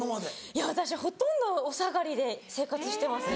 いや私ほとんどお下がりで生活してますね。